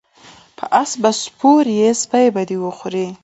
په اس به سپور یی سپی به دی وخوري